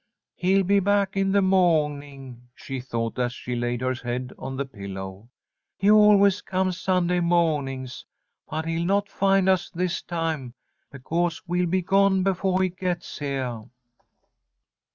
"He'll be back in the mawning," she thought, as she laid her head on the pillow. "He always comes Sunday mawnings; but he'll not find us this time, because we'll be gone befoah he gets heah."